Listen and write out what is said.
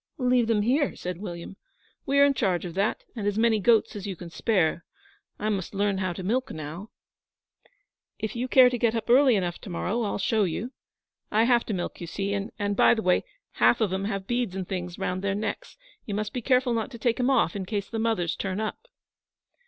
'Leave them here,' said William 'we are in charge of that and as many goats as you can spare. I must learn how to milk now.' 'If you care to get up early enough to morrow I'll show you. I have to milk, you see; and, by the way, half of em have beads and things round their necks. You must be careful not to take 'em off, in case the mothers turn up.'